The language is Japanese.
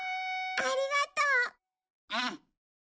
ありがとう。